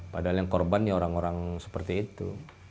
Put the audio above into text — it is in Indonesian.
padahal yang korban ya orang orang seperti itu